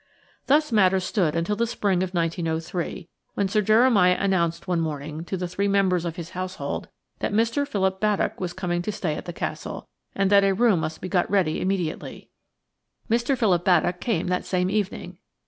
Thus matters stood until the spring of 1903, when Sir Jeremiah announced one morning to the three members of his household that Mr. Philip Baddock was coming to stay at the Castle, and that a room must be got ready immediately. Mr. Philip Baddock came that same evening.